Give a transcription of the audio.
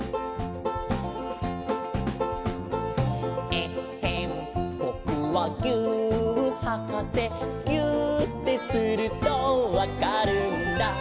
「えっへんぼくはぎゅーっはかせ」「ぎゅーってするとわかるんだ」